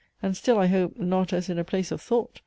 And still, I hope, not as in a place of thought!